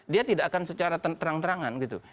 dia tidak akan secara terang terangan gitu